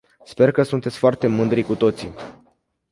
Sper că sunteți foarte mândri cu toții!